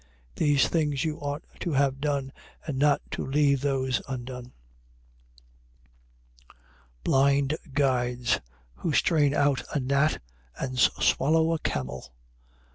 These things you ought to have done and not to leave those undone. 23:24. Blind guides, who strain out a gnat and swallow a camel. 23:25.